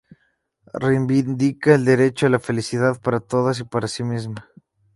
Reivindica el derecho a la felicidad para todas y para sí misma.